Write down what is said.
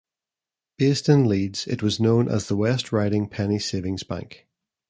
Based in Leeds it was known as the "West Riding Penny Savings Bank".